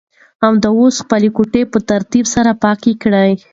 همدا اوس خپله کوټه په ترتیب سره پاکه کړه.